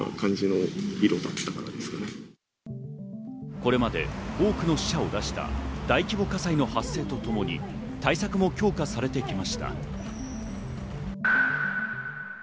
これまで多くの死者を出した大規模火災の発生とともに対策も強化されてきました。